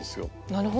なるほど。